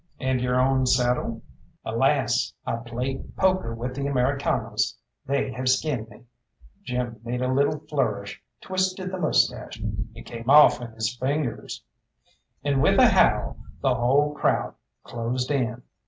"And your own saddle?" "Alas! I played poker with the Americanos. They have skinned me." Jim made a little flourish, twisted the moustache. It came off in his fingers! And with a howl the whole crowd closed in.